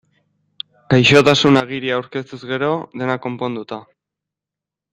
Gaixotasun-agiria aurkeztuz gero, dena konponduta.